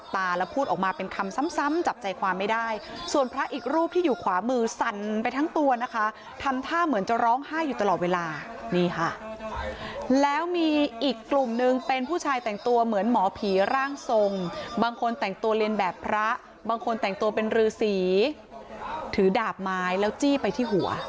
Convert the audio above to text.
ต้องให้คนแต่งตัวเรียนแบบพระมาไล่ผี